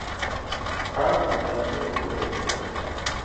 Erd li derdora royê digere.